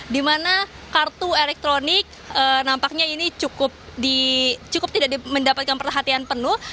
di mana kartu elektronik nampaknya ini cukup tidak mendapatkan perhatian penuh